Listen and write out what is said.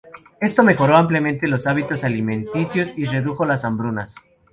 Esto mejoró ampliamente los hábitos alimenticios y redujo las hambrunas.